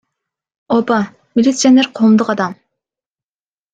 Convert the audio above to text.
Ооба, милиционер — коомдук адам.